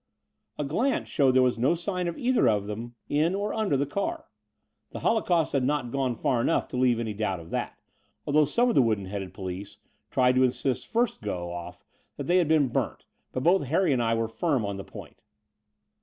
A glance showed that there was no sign of either of them in or under the car. The holocaust had not gone far enough to leave any doubt of that, although some of the wooden headed police tried to insist first go ofif that they had been burnt: but both Harry and I were firm on the point.